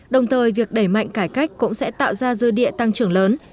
đồng thời việc đẩy mạnh cải cách cũng sẽ tạo ra dư địa tăng trưởng lớn